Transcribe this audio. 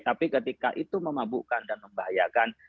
tapi ketika itu memabukkan dan membahayakan